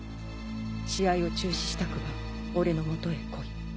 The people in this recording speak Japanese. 試合を中止したくば俺の元へ来い。